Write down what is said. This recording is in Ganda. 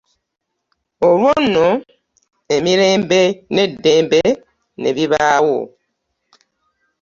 Olwo nno emirembe n'eddembe ne bibaawo.